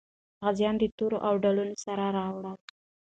غازیان د تورو او ډالونو سره راوړل.